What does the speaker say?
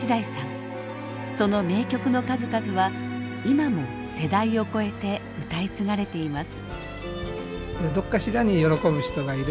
その名曲の数々は今も世代を超えて歌い継がれています。